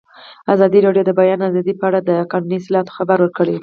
ازادي راډیو د د بیان آزادي په اړه د قانوني اصلاحاتو خبر ورکړی.